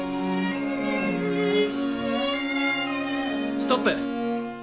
ストップ。